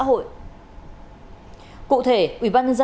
cụ thể ubnd quận cẩm lệ tp đà nẵng vừa ban hành quy định